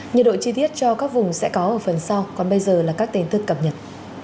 nhiệt độ chi tiết cho các vùng sẽ có ở phần sau còn bây giờ là các tin tức cập nhật